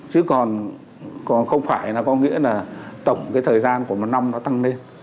chứ còn không phải là có nghĩa là tổng cái thời gian của một năm nó tăng lên